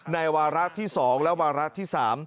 ในวารักษณ์ที่๒และวารักษณ์ที่๓